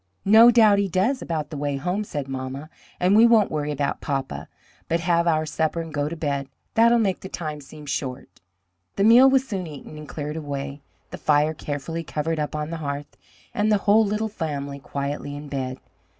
"No doubt he does, about the way home," said mamma, "and we won't worry about papa, but have our supper and go to bed. That'll make the time seem short." The meal was soon eaten and cleared away, the fire carefully covered up on the hearth, and the whole little family quietly in bed.